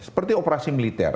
seperti operasi militer